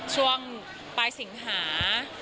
ช่วงปลายสิงหา